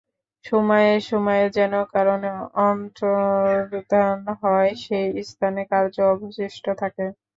সময়ে সময়ে যেন কারণের অন্তর্ধান হয়, সেই স্থানে কার্য অবশিষ্ট থাকে।